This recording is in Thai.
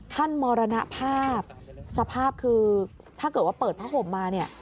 ท่านมรณภาพสภาพคือถ้าเกิดว่าเปิดผ้าห่มมา